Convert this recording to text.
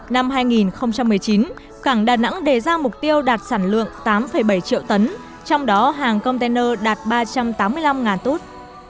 năm hai nghìn một mươi chín cảng đà nẵng đề ra mục tiêu đạt sản lượng tám bảy triệu tấn trong đó hàng container đạt ba trăm tám mươi năm tút